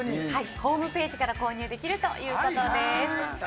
ホームページから購入できるということです。